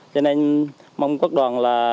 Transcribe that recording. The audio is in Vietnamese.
cho nên mong quốc đoàn